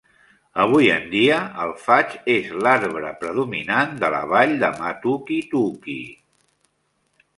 Avui en dia, el faig és l'arbre predominant de la vall de Matukituki.